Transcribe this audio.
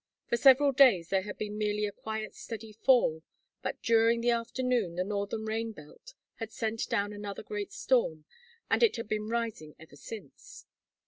For several days there had been merely a quiet steady fall, but during the afternoon the northern rain belt had sent down another great storm and it had been rising ever since.